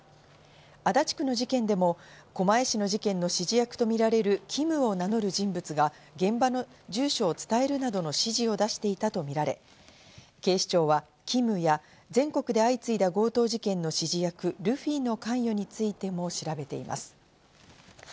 足立区の事件でも狛江市の事件の指示役と見られるキムを名乗る人物が現場の住所を伝えるなどの指示を出していたとみられ、警視庁はキムや全国で相次いだ強盗事件の指示役・ルフィの関与についても調べています。